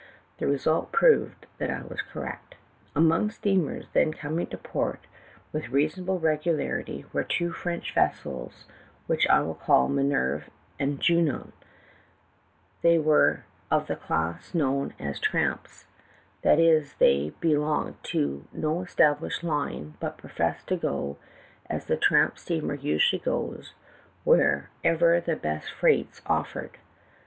The result proved that I was correct. "Among the steamers then coming to port with reasonable regularity were two French vessels which I will call the Minerve and Junon. They 306 THE TALKING HANDKERCHIEF. were of the class known as 'tramps,' that is, they be longed to no established line, but professed to go, as the tramjD steamer usually goes, wherever the best freights offered.